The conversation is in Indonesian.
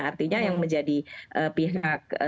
artinya yang menjadi pihak